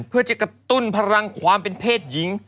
เพื่อจะกระตุ้นพลังความเป็นเพศหญิง